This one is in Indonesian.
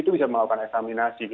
itu bisa melakukan eksaminasi